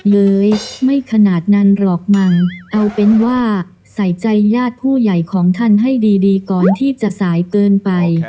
เลยไม่ขนาดนั้นหรอกมั้งเอาเป็นว่าใส่ใจญาติผู้ใหญ่ของท่านให้ดีก่อนที่จะสายเกินไป